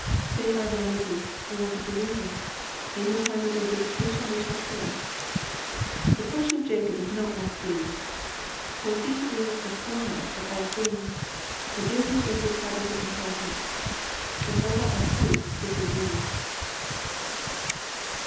(15) They are vanity, a work of delusion; in the time of their visitation they shall perish. (16) The portion of Jacob is not like these; for he is the former of all things; and Israel is the tribe of his inheritance: Jehovah of hosts is his name."